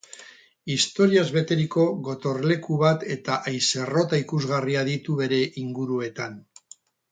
Historiaz beteriko gotorleku bat eta aixerrota ikusgarria ditu bere inguruetan.